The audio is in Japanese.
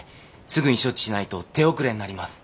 すぐに処置しないと手遅れになります。